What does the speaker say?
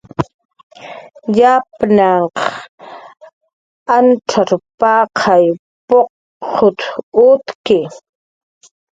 Yapnhanq ancxacx paqay puqtaw utki